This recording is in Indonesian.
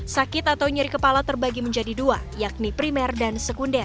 sakit atau nyeri kepala terbagi menjadi dua yakni primer dan sekunder